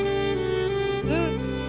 うん。